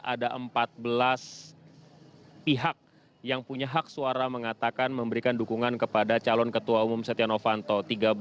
ada empat belas pihak yang punya hak suara mengatakan memberikan dukungan kepada calon ketua umum setia novanto